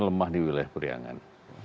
lemah di wilayah periangan